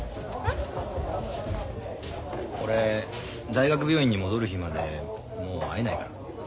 俺大学病院に戻る日までもう会えないから。